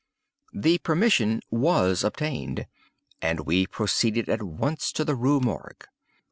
The permission was obtained, and we proceeded at once to the Rue Morgue.